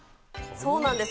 そうなんです。